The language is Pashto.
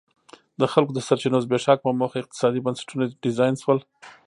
د خلکو د سرچینو زبېښاک په موخه اقتصادي بنسټونه ډیزاین شول.